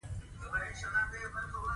کاشکي